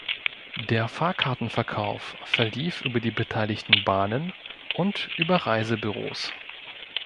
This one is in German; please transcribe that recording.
Der Fahrkartenverkauf verlief über die beteiligten Bahnen und über Reisebüros.